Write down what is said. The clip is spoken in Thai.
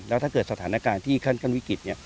แล้วถ้าเกิดสถานการณ์ที่ขั้นวิกฤต